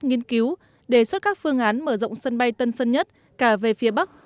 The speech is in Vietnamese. nghiên cứu đề xuất các phương án mở rộng sân bay tân sơn nhất cả về phía bắc